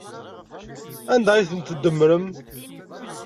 Anda ay ten-tdemmrem?